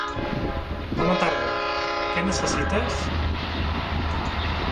Bona tarda, què necessites?